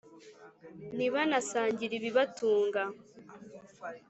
ntibanasangire ibibatunga.